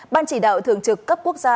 ban chỉ đạo thường trực cấp quốc gia